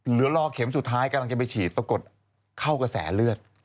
รอเข็มสุดท้ายกำลังจะไปฉีดปรากฏเข้ากระแสเลือด